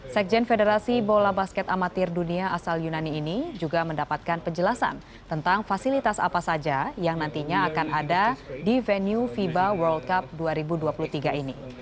sekjen federasi bola basket amatir dunia asal yunani ini juga mendapatkan penjelasan tentang fasilitas apa saja yang nantinya akan ada di venue fiba world cup dua ribu dua puluh tiga ini